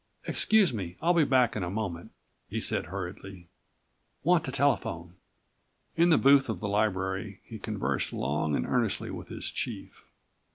Excuse me; I'll be back in a moment," he said hurriedly. "Want to telephone." In the booth of the library he conversed long and earnestly with his chief.